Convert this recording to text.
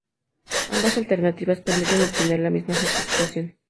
Ambas alternativas permiten obtener la misma certificación.